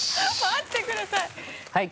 待ってください